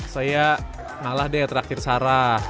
saya malah deh terakhir sarah